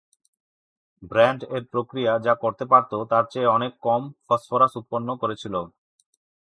Brand এর প্রক্রিয়া যা করতে পারত তার চেয়ে অনেক কম ফসফরাস উৎপন্ন করেছিল।